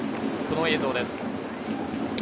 この映像です。